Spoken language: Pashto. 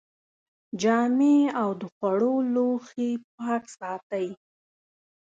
جامې او د خوړو لوښي پاک ساتئ.